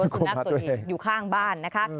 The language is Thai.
กลัวสุนัขตัวเองอยู่ข้างบ้านนะคะ